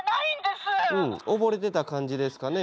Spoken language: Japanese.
うん溺れてた感じですかね？